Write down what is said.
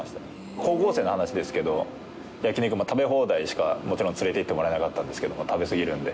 高校生の話ですけど、焼き肉、食べ放題しかもちろん、連れていってもらえなかったですし、食べすぎるんで。